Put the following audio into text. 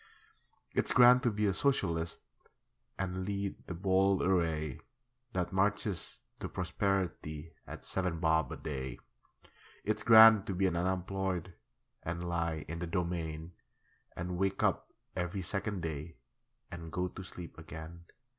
It's grand to be a Socialist And lead the bold array That marches to prosperity At seven bob a day. It's grand to be an unemployed And lie in the Domain, And wake up every second day And go to sleep again.